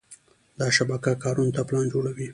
دا شبکه کارونو ته پلان جوړوي.